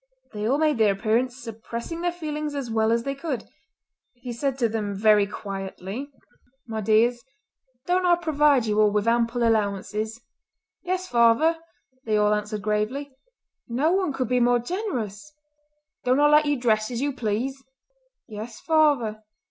They all made their appearance, suppressing their feelings as well as they could. He said to them very quietly: "My dears, don't I provide you all with ample allowances?" "Yes, father!" they all answered gravely, "no one could be more generous!" "Don't I let you dress as you please?" "Yes, father!"